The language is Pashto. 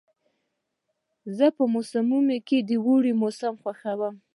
زه په موسمونو کې د اوړي موسم خوښوم.